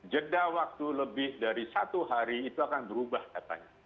jeda waktu lebih dari satu hari itu akan berubah datanya